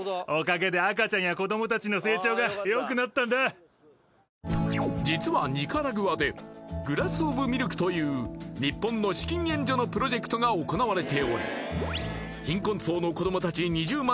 お値段は実はニカラグアでグラス・オブ・ミルクという日本の資金援助のプロジェクトが行われており貧困層の子ども達２０万